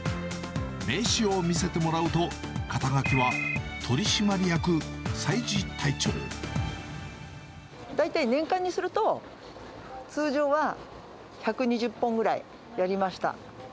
名刺を見せてもらうと、肩書は、大体年間にすると、通常は１２０本ぐらいやりました。